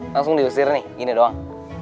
langsung diusir nih ini doang